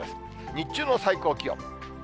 日中の最高気温。